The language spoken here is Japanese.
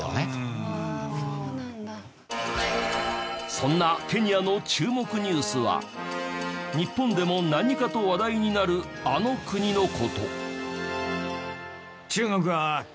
そんなケニアの注目ニュースは日本でも何かと話題になるあの国の事。